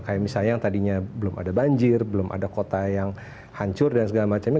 kayak misalnya yang tadinya belum ada banjir belum ada kota yang hancur dan segala macamnya